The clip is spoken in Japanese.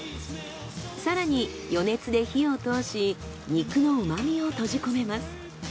更に余熱で火を通し肉の旨みを閉じ込めます。